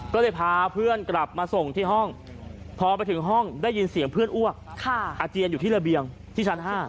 ก็เลยพาเพื่อนกลับมาส่งที่ห้องพอไปถึงห้องได้ยินเสียงเพื่อนอ้วกอาเจียนอยู่ที่ระเบียงที่ชั้น๕